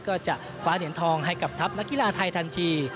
ก็จะคว้าเหรียญทองให้กับทัพนักกีฬาไทยทันที